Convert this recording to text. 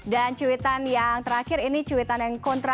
dan cuitan yang terakhir ini cuitan yang kontra